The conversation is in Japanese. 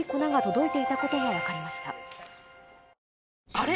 あれ？